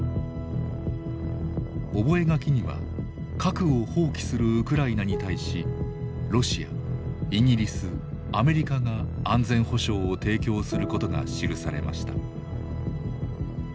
覚書には核を放棄するウクライナに対しロシアイギリスアメリカが安全保障を提供することが記されました。